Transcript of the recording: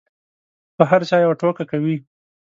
په هر چا یوه ټوکه کوي.